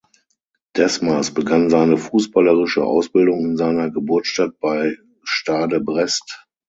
Desmas begann seine fußballerische Ausbildung in seiner Geburtsstadt bei Stade Brest.